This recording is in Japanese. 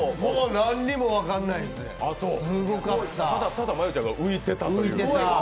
何も分からないですよ、ただ真悠ちゃんが浮いてた。